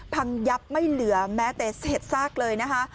พังยับไม่เหลือแม้แต่เศษซากเลยนะคะ